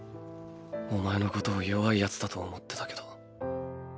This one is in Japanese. お前のことを弱いヤツだと思ってたけど。